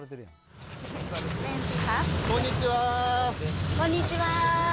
こんにちは。